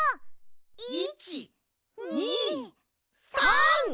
１２３！